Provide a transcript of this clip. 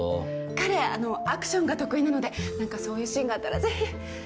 彼あのアクションが得意なので何かそういうシーンがあったらぜひ。